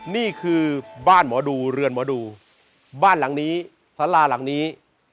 นี่คือบ้านหมอดูเรือนหมอดูบ้านหลังนี้สาราหลังนี้